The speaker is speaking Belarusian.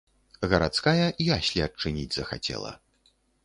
Гарадская яслі адчыніць захацела.